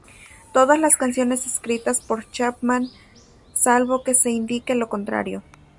Todas las canciones escritas por Chapman, salvo que se indique lo contrario.